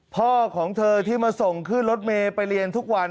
พ่อของเธอที่มาส่งขึ้นรถเมย์ไปเรียนทุกวัน